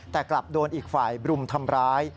แต่กลับโดนอีกฝ่ายบรุมทำร้าย